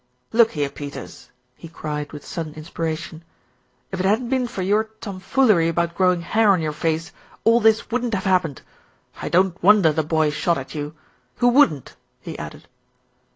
"Look here, Peters," he cried with sudden inspira tion, "if it hadn't been for your tomfoolery about grow ing hair on your face, all this wouldn't have happened. I don't wonder the boy shot at you. Who wouldn't?" he added.